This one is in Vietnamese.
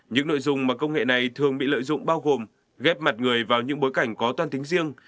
những nội dung mà công nghệ này thường bị lợi dụng bao gồm ghép mặt người vào những bối cảnh có toan tính riêng